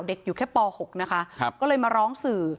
เด็กอยู่แค่ปหกนะคะครับก็เลยมาร้องสื่อ